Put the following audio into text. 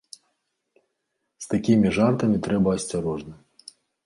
З такімі жартамі трэба асцярожна.